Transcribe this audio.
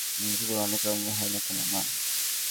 কুকুর অনেক রঙের হয় না কেন, মা?